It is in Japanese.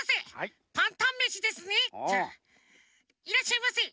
いらっしゃいませ。